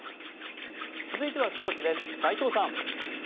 続いてはスポーツです、齋藤さん。